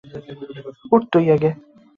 উঠ, তুই আগে।